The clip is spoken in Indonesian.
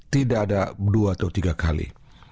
tidak ada dua atau tiga kali